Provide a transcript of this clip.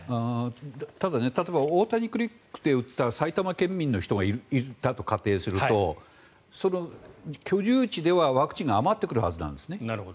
ただ、例えば大谷クリニックで打った埼玉県民の人がいたと仮定するとその居住地ではワクチンが余ってくるはずなんですね。